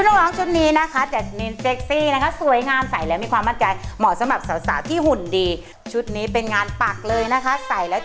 น้องคุณแม่ให้เข้ามาเรียกของไฟโร